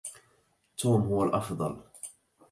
توم هو الأفضل.